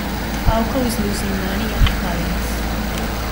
Falco is losing money and clients.